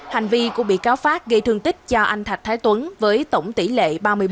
hành vi của bị cáo phát gây thương tích cho anh thạch thái tuấn với tổng tỷ lệ ba mươi bốn